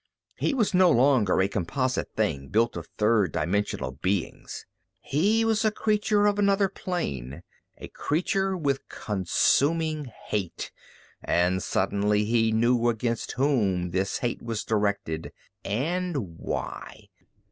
He was no longer a composite thing built of third dimensional beings. He was a creature of another plane, a creature with a consuming hate, and suddenly he knew against whom this hate was directed and why.